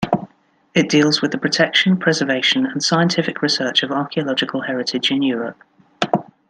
It deals with the protection, preservation and scientific research of archaeological heritage in Europe.